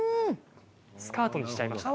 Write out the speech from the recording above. スカートにしちゃいました。